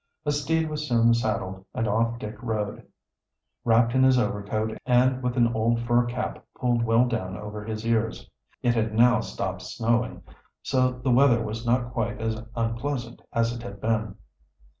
A steed was soon saddled, and off Dick rode, wrapped in his overcoat and with an old fur cap pulled well down over his ears. It had now stopped snowing, so the weather was not quite as unpleasant as it had been.